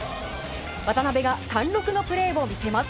渡邊が貫録のプレーを見せます。